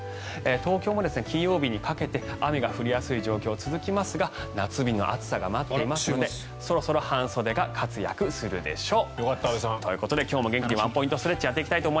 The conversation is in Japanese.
東京も金曜日にかけて雨が降りやすい状況が続きますが夏日の暑さが待っていますのでそろそろ半袖が活躍するでしょう。ということで今日も元気にワンポイントストレッチをやっていきます。